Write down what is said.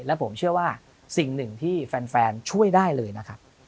และผมเชื่อว่าสิ่งหนึ่งที่แฟนช่วยได้เลยนะครับ